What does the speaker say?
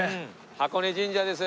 箱根神社です。